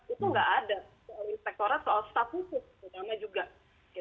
itu tidak ada soal inspektorat soal staf khusus